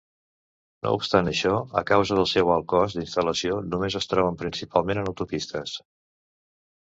No obstant això, a causa del seu alt cost d'instal·lació, només es troben principalment en autopistes.